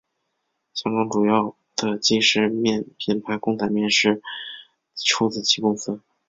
香港主要的即食面品牌公仔面便是出自其公司。